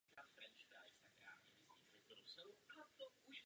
A proč proletářem?